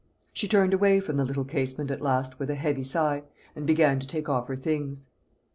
She turned away from the little casement at last with a heavy sigh, and began to take off her things.